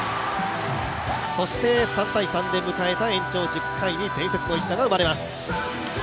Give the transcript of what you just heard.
そして３−３で迎えた延長１０回に伝説の一打が生まれます。